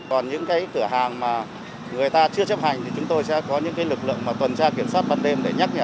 còn những cửa hàng mà người ta chưa chấp hành thì chúng tôi sẽ có những lực lượng tuần tra kiểm soát bật đêm để nhắc nhở